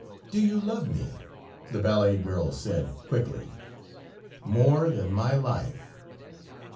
"Do you love me?" the ballet girl said, quickly. "More than my life."